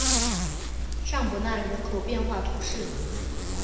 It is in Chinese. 尚博纳人口变化图示